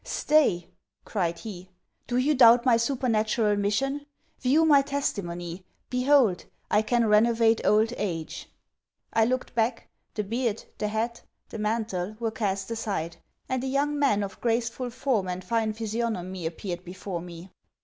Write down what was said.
'Stay,' cried he. 'Do you doubt my supernatural mission? View my testimony. Behold, I can renovate old age!' I looked back, the beard, the hat, the mantle were cast aside; and a young man of graceful form and fine physiognomy appeared before me.